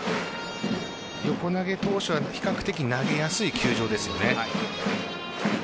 横投げ投手なので比較的投げやすい球場ですよね。